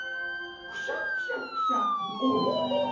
クシャクシャクシャオホホホホ！